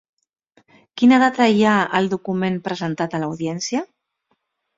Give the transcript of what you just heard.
Quina data hi ha al document presentat a l'Audiència?